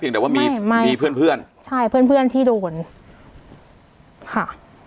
แต่ว่ามีมีเพื่อนเพื่อนใช่เพื่อนเพื่อนที่โดนค่ะ